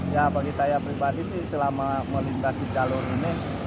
ya bagi saya pribadi sih selama melintasi jalur ini